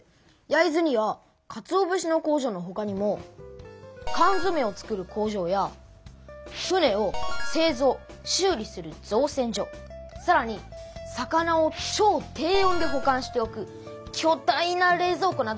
焼津にはかつお節の工場のほかにも缶詰を作る工場や船をせいぞうしゅう理する造船所さらに魚をちょう低温でほ管しておくきょ大な冷蔵庫などもあるんです。